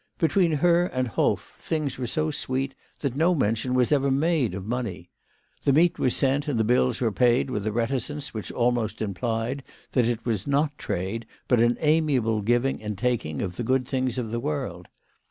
Between her and Hoff things were so sweet that no mention was ever made of money. The meat was sent and the bills were paid with a reticence which almost implied that it was not trade, but an amiable giving and taking of the good things of the world.